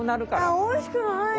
おいしくないよ。